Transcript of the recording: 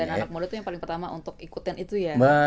dan anak muda itu yang pertama untuk ikutin itu ya